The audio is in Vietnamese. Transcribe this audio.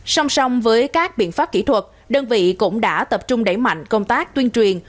song song với các biện pháp kỹ thuật đơn vị cũng đã tập trung đẩy mạnh công tác tuyên truyền